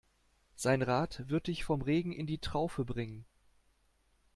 Sein Rat wird dich vom Regen in die Traufe bringen.